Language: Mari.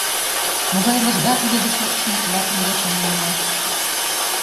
Могай лыжга пеледыш укшым тылат ынде шонен муаш?